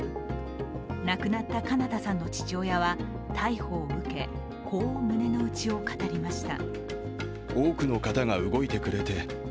亡くなった翔向さんの父親は逮捕を受け、こう胸の内を語りました。